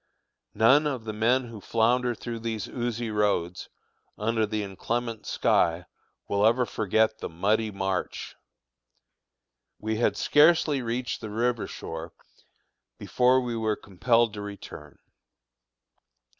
None of the men who flounder through these oozy roads, under the inclement sky, will ever forget the "Muddy March." We had scarcely reached the river shore before we were compelled to return.